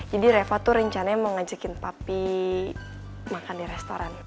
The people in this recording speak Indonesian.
jadi reva tuh rencananya mau ngajakin papi makan di restoran